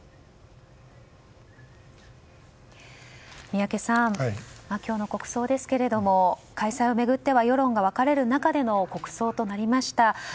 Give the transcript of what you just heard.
宮家さん、今日の国葬ですが開催を巡っては世論が分かれる中での国葬となりました。